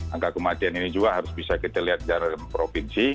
angka kematian ini juga harus bisa kita lihat dari provinsi